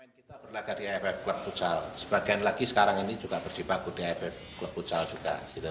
kita berlagak di ffi club futsal sebagian lagi sekarang ini juga bersibaku di ffi club futsal juga